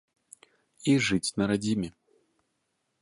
І жыць на радзіме.